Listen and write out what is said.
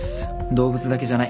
動物だけじゃない。